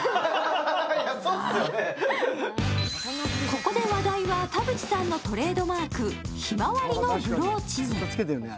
ここで話題は田渕さんのトレードマーク、ひまわりのブローチに。